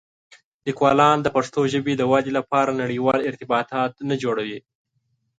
لیکوالان د پښتو ژبې د ودې لپاره نړيوال ارتباطات نه جوړوي.